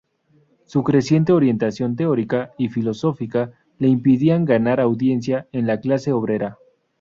Su creciente orientación teórica y filosófica le impedían ganar audiencia en la clase obrera.